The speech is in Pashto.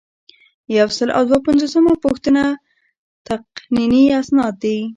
یو سل او دوه پنځوسمه پوښتنه تقنیني اسناد دي.